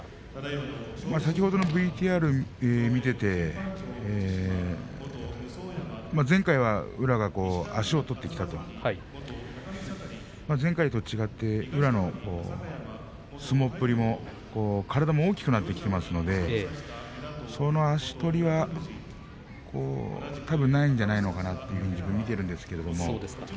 先ほどのＶＴＲを見ていて前回は宇良が足を取ってきたと前回と違って、宇良の相撲っぷりも体も大きくなっていますのでその足取りはないんじゃないかと思って見ています。